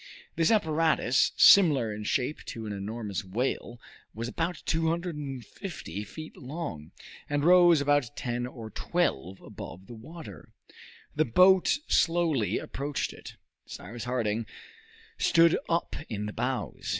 This apparatus, similar in shape to an enormous whale, was about 250 feet long, and rose about ten or twelve above the water. The boat slowly approached it, Cyrus Harding stood up in the bows.